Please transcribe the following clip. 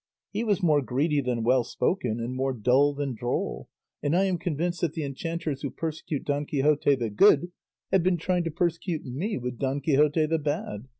He was more greedy than well spoken, and more dull than droll; and I am convinced that the enchanters who persecute Don Quixote the Good have been trying to persecute me with Don Quixote the Bad.